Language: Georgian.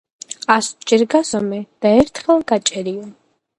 ასჯერ გაზომე და ერთხელ გასჭერიო